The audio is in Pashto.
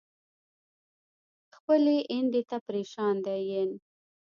خپلې ايندی ته پریشان ين